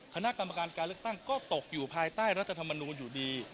คณะกรรมการการเลือกตั้งก็ตกอยู่ภายใต้รัฐธรรมนูลอยู่ดี